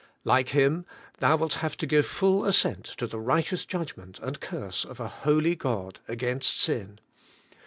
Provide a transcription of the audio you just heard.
Like Him, thou wilt have to give full assent to the righteous judgment and curse of a holy God against sin.